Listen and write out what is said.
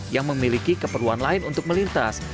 yang memiliki keperluan lain untuk melintas